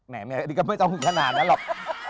ไม่ต้องอยู่ขนาดนั้นหรอก